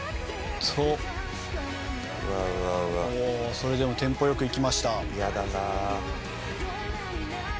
それでもテンポ良くいきました。